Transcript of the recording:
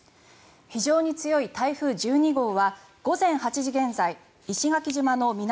非常に強い台風１２号は午前８時現在石垣島の南